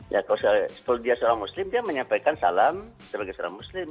ya kalau dia seorang muslim dia menyampaikan salam sebagai seorang muslim